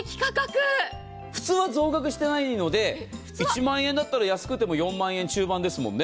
普通は増額してないので１万円だったら安くても４万円中盤ですもんね。